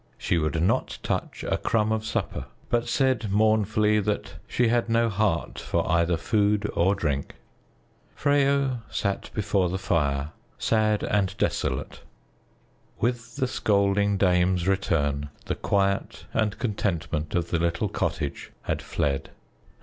She would not touch a crumb of supper but said mournfully that she had no heart for either food or drink. Freyo sat before the fire, sad and desolate. With the scolding dame's return, the quiet and contentment of the little cottage had fled.